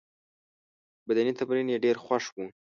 بدني تمرین یې ډېر خوښ وو.